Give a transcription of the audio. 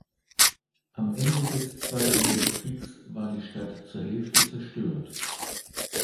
Am Ende des Zweiten Weltkriegs war die Stadt zur Hälfte zerstört.